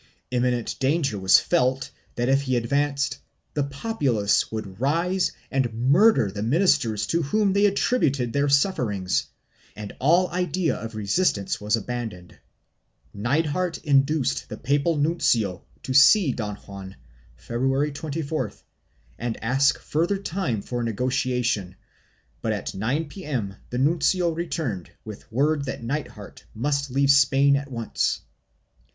Imminent danger was felt that if he advanced the populace would rise and murder the ministers to whom they attributed their sufferings, and all idea of resist ance was abandoned. Nithard induced the papal nuncio to see Don Juan, February 24th, and ask further time for negotiation but at 9 P.M. the nuncio returned with word that Nithard must leave Spain at once.